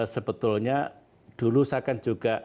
sebetulnya dulu saya akan juga